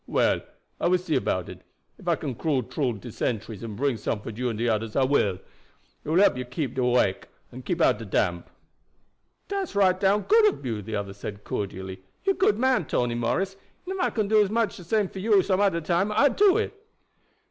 "Well, I will see about it. Ef I can crawl troo de sentries, and bring some for you and de oders, I will. It will help keep you awake and keep out de damp. "Dat's right down good ob you," the other said cordially. "You good man, Tony Morris; and if I can do as much for you anoder time, I do it."